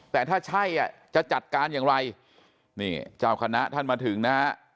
แต่ถ้าใช่อ่ะจะจัดการอย่างไรนี่เจ้าคณะท่านมาถึงนะฮะ